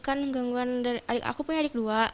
kan gangguan dari adik aku punya adik dua